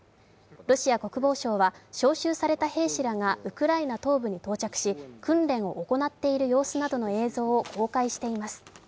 ロシア国防省は招集された兵士らがウクライナ東部に到着し、訓練を行っている様子などの映像を公開しています。